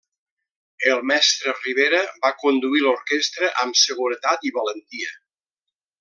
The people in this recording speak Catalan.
El mestre Ribera va conduir l'orquestra amb seguretat i valentia.